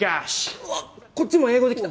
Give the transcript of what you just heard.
うわこっちも英語で来た！